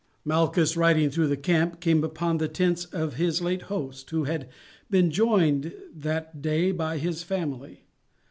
Malchus, riding through the camp, came upon the tents of his late host, who had been joined that day by his family.